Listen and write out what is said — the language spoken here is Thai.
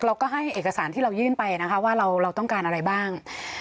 เราก็ให้เอกสารที่เรายื่นไปนะคะว่าเราต้องการอะไรบ้าง